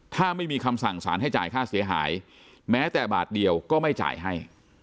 ถ้าไม่มีคำสั่งสารให้จ่ายค่าเสียหายแม้แต่บาทเดียวก็ไม่จ่ายให้